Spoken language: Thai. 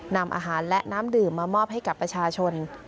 นำอาหารและน้ำดื่มมามอบให้กับประชาชน